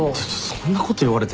そんなこと言われても。